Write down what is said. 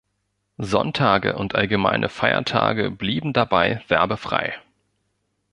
Sonntage und allgemeine Feiertage blieben dabei werbefrei.